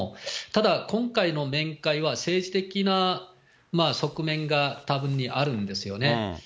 ただ今回の面会は政治的な側面が多分にあるんですよね。